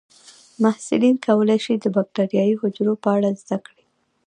محصلین کولی شي د بکټریايي حجرو په اړه زده کړي.